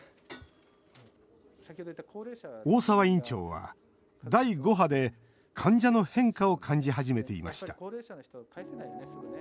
大澤院長は第５波で患者の変化を感じ始めていました。